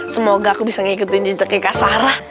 semoga aku bisa ngikutin cinta kika sarah